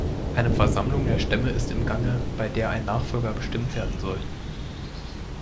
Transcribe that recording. Eine Versammlung der Stämme ist im Gange, bei der ein Nachfolger bestimmt werden soll.